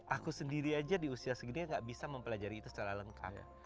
aku sendiri aja di usia segini gak bisa mempelajari itu secara lengkap